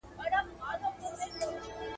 ماشومانو ته د ګټې او تاوان کیسه وکړه.